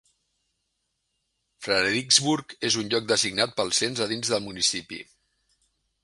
Fredericksburg és un lloc designat pel cens a dins del municipi.